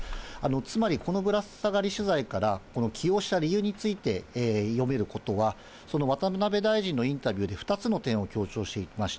つまり、このぶら下がり取材から、起用した理由について読めることは、その渡辺大臣のインタビューで、２つの点を強調しました。